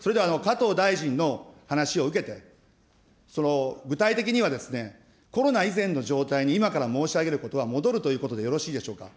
それでは加藤大臣の話を受けて、具体的にはコロナ以前の状態に、今から申し上げることは戻るということでよろしいでしょうか。